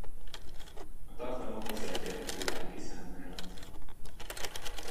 A tartalom hozzáférhető bárki számára.